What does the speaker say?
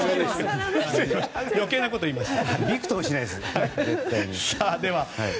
余計なこと言いました。